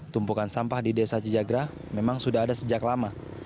tumpukan sampah di desa cijagra memang sudah ada sejak lama